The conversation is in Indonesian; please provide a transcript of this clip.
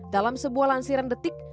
dalam sebuah lansiran detik